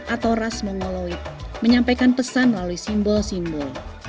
atau ras mongoloid menyampaikan pesan melalui simbol simbol